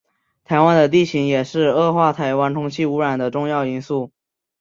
台湾的地形也是恶化台湾空气污染的重要因素。